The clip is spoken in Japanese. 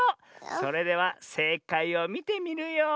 それではせいかいをみてみるよ。